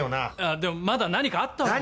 でもまだ何かあったわけじゃ。